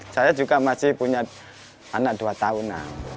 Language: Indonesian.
saya juga masih punya anak dua tahunan